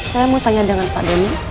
saya mau tanya dengan pak doni